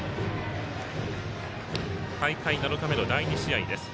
大会７日目の第２試合です。